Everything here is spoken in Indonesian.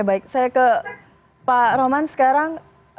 baik saya ke pak roman sekarang